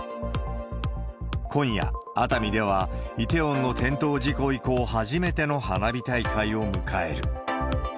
今夜、熱海ではイテウォンの転倒事故以降、初めての花火大会を迎える。